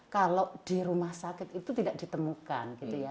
kalau di rumah sakit itu tidak ditemukan